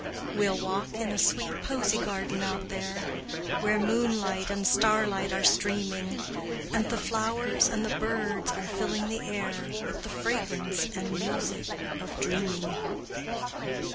We'll walk in a sweet posie garden out there, Where moonlight and starlight are streaming, And the flowers and the birds are filling the air With the fragrance and music of dreaming.